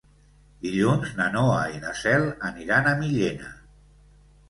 Dilluns na Noa i na Cel aniran a Millena.